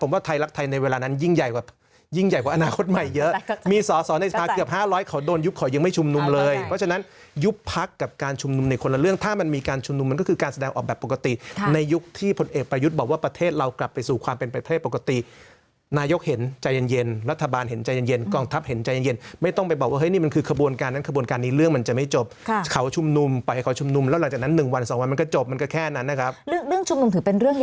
สมมติให้อาจารย์เลือกสักเรื่องหนึ่งถ้าสมมติให้อาจารย์เลือกสักเรื่องหนึ่งถ้าสมมติให้อาจารย์เลือกสักเรื่องหนึ่งถ้าสมมติให้อาจารย์เลือกสักเรื่องหนึ่งถ้าสมมติให้อาจารย์เลือกสักเรื่องหนึ่งถ้าสมมติให้อาจารย์เลือกสักเรื่องหนึ่งถ้าสมมติให้อาจารย์เลือกสักเรื่องหนึ่งถ้าสมมติให้อาจาร